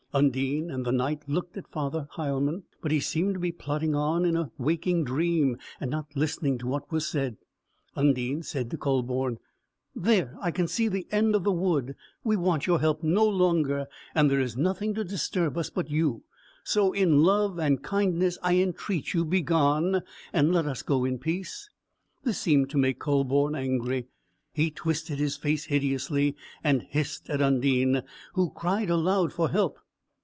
Undine and the Knight looked at Father Heilmann, but he seemed to be plodding on in a waking dream, and not listening to what was said. Undine said to Kühleborn, "There, I can see the end of the wood; we want your help no longer, and there is nothing to disturb us but you. So in love and kindness I entreat you, begone, and let us go in peace." This seemed to make Kühleborn angry; he twisted his face hideously, and hissed at Undine, who cried aloud for help.